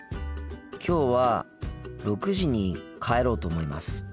きょうは６時に帰ろうと思います。